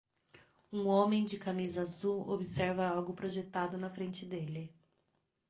Um homem de camisa azul observa algo projetado na frente dele.